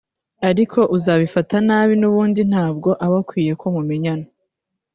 ariko uzabifata nabi n’ubundi ntabwo aba akwiye (deserve/meriter) ko mumenyana